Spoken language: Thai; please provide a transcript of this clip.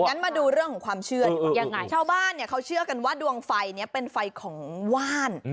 งั้นมาดูเรื่องของความเชื่อดีกว่ายังไงชาวบ้านเนี่ยเขาเชื่อกันว่าดวงไฟนี้เป็นไฟของว่าน